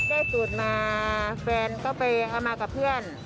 ได้สูตรมาแฟนก็ไปเอามากับเพื่อน